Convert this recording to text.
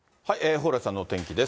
蓬莱さんのお天気です。